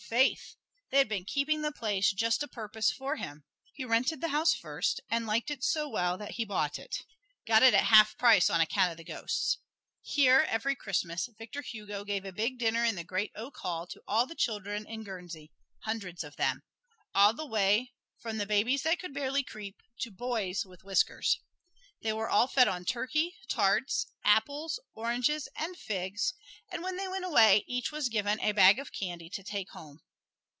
Faith! they had been keeping the place just a' purpose for him. He rented the house first, and liked it so well that he bought it got it at half price on account of the ghosts. Here, every Christmas, Victor Hugo gave a big dinner in the great oak hall to all the children in Guernsey: hundreds of them all the way from babies that could barely creep, to "boys" with whiskers. They were all fed on turkey, tarts, apples, oranges and figs; and when they went away, each was given a bag of candy to take home.